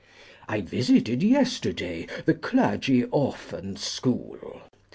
I visited yesterday the Clergy Orphan School.